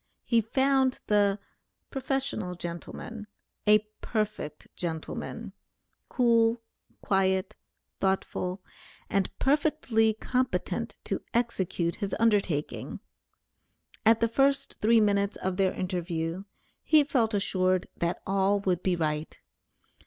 He found the "Prof. gentleman" a perfect gentleman; cool, quiet, thoughtful, and perfectly competent to execute his undertaking. At the first three minutes of their interview, he felt assured that all would be right.